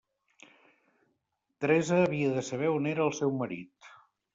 Teresa havia de saber on era el seu marit.